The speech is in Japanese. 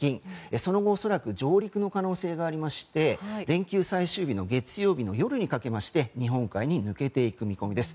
その後、恐らく上陸の可能性がありまして連休最終日の月曜日夜にかけて日本海に抜けていく見込みです。